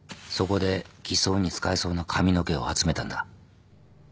そこで偽装に使えそうな髪の毛を集めたんだ。